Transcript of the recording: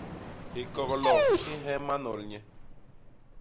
Hikoglo hi nheema nol nye.